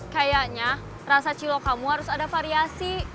kayaknya rasa cilok kamu harus ada variasi